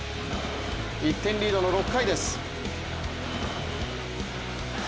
１点リードの６回です。